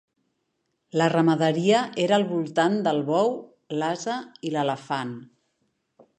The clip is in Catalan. La ramaderia era al voltant del bou, l'ase i l'elefant.